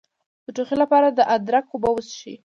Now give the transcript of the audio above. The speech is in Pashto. د ټوخي لپاره د ادرک اوبه وڅښئ